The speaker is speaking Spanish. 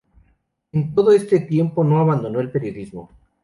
En todo ese tiempo no abandonó el periodismo.